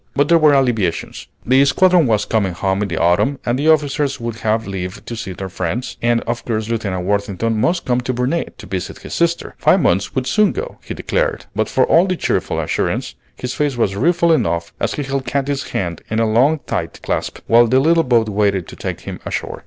But there were alleviations. The squadron was coming home in the autumn, and the officers would have leave to see their friends, and of course Lieutenant Worthington must come to Burnet to visit his sister. Five months would soon go, he declared; but for all the cheerful assurance, his face was rueful enough as he held Katy's hand in a long tight clasp while the little boat waited to take him ashore.